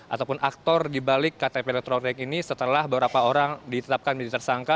ataupun aktor dibalik ktp elektronik ini setelah beberapa orang ditetapkan menjadi tersangka